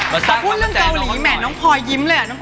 พอพูดเรื่องเกาหลีแหมน้องพลอยยิ้มเลยอ่ะน้องพ